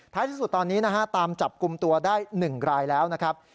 ที่สุดตอนนี้นะฮะตามจับกลุ่มตัวได้๑รายแล้วนะครับ